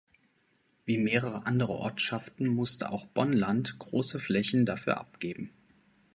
Wie mehrere andere Ortschaften musste auch Bonnland große Flächen dafür abgeben.